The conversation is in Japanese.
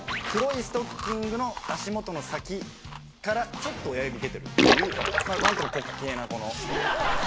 黒いストッキングの足元の先からちょっと親指出てるっていう何とも滑稽な。